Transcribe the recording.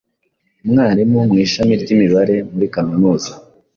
Umwarimu mu ishami ry’imibare muri Kaminuza